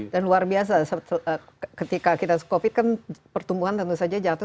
dan luar biasa ketika covid kan pertumbuhan tentu saja jatuh